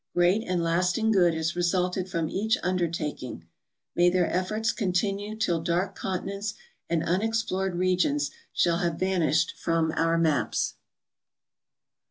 Great and lasting good has resulted from each undertaking. May their efforts continue till dark continents and unexplored regions shall have vanished from our mans.